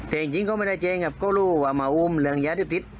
แต่จริงจริงเขาไม่ได้เจ๋งครับก็รู้ว่ามาอุ้มแรงยาทิพย์ติด